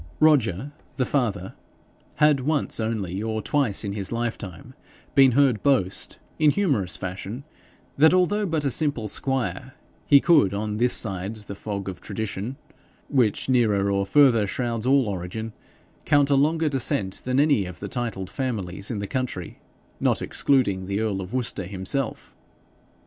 Roger, the father, had once only or twice in his lifetime been heard boast, in humorous fashion, that although but a simple squire, he could, on this side the fog of tradition, which nearer or further shrouds all origin, count a longer descent than any of the titled families in the county, not excluding the earl of Worcester himself.